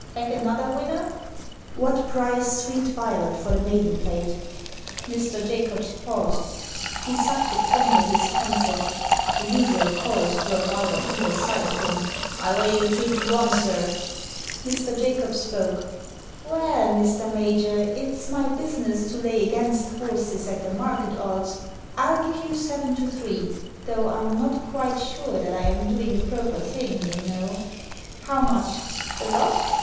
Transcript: Back another winner ?" "What price Sweet Violet for the Maiden Plate? Mr. Jacobs paused. He sucked the point of his pencil The usual chorus broke out on either side of him :" I'll lay you two to one, sir." Digitized by VjOOQIC 136 THE SEEN AND THE UNSEEN Mr. Jacobs spoke. "Well, Mr. Major, it's my business to lay against horses at the market odds, ril give you seven to three, though I'm not quite sure that I am doing the proper thing, you know. How much? The lot?"